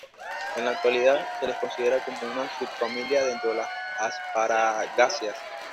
En la actualidad se las considera como una subfamilia dentro de las asparagáceas.